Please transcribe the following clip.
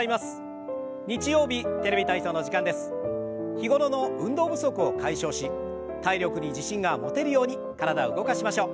日頃の運動不足を解消し体力に自信が持てるように体を動かしましょう。